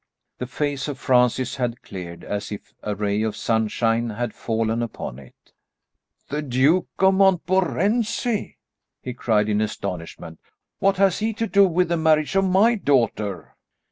The face of Francis had cleared as if a ray of sunshine had fallen upon it. "The Duke of Montmorency!" he cried in astonishment; "what has he to do with the marriage of my daughter?"